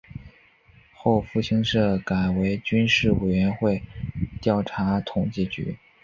后复兴社改为军事委员会调查统计局。